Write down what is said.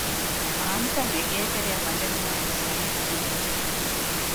އާންތަށް އެގޭތެރެއަށް ވަދެވުމާއެކު ސަޢީދު ފެނިއްޖެ